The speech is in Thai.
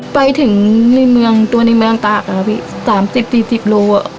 ไปถึงตัวนิมัยอังตราก่าว๓๐๔๐โลกาศิษย์